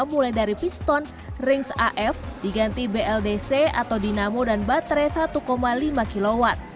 mulai dari piston rings af diganti bldc atau dinamo dan baterai satu lima kw